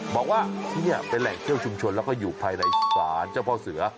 บอกว่าที่นี่เป็นแหล่งเที่ยวชุมชนแล้วก็อยู่ภายในศาลเจ้าพ่อเสือ